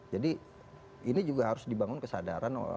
jadi ini juga harus dibangun kesadaran